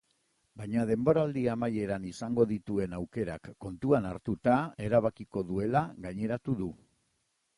Baina denboraldi amaieran izango dituen aukerak kontuan hartuta erabakiko duela gaineratu du.